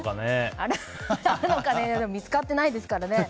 見つかってないですからね